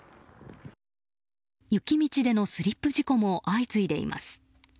雪道でのスリップ事故も相次いでいます。